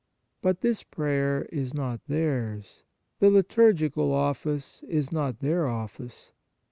But this prayer is not theirs ; the litur gical Office is not their office.